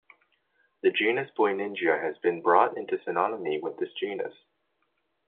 The genus Buiningia has been brought into synonymy with this genus.